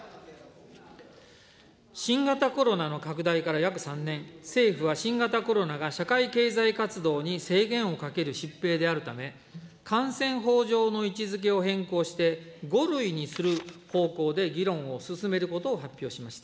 新型コロナの拡大から約３年、政府は新型コロナが社会経済活動に制限をかける疾病であるため、感染法上の位置づけを変更して、５類にする方向で議論を進めることを発表しました。